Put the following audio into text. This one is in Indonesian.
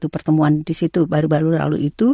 pertemuan di situ baru baru lalu itu